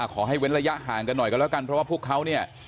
เว้นระยะห่างกันหน่อยกันแล้วกันเพราะว่าพวกเขาเนี่ย